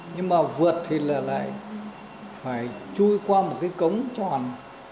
nhưng mà vượt thì là lại phải chui qua một cái cống tròn